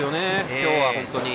今日は本当に。